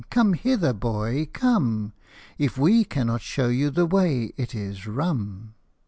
Come hither, boy, come ; If we cannot show you the way it is rum